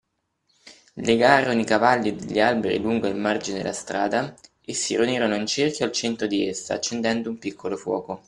legarono i cavalli a degli alberi lungo il margine della strada e si riunirono in cerchio al centro di essa, accendendo un piccolo fuoco.